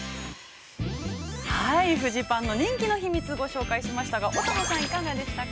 ◆はい、フジパンの人気の秘密、ご紹介しましたが、乙葉さん、いかがでしたか？